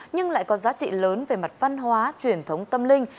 nhưng lại có giá trị lớn về mặt văn hóa truyền thống tâm linh